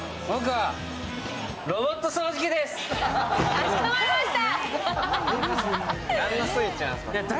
かしこまりました！